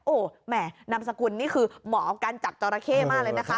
โอ้โหแหม่นามสกุลนี่คือหมอการจับจอราเข้มากเลยนะคะ